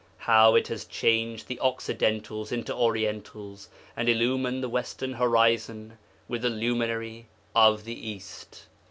'How It has changed the Occidentals into Orientals, and illumined the Western Horizon with the Luminary of the East!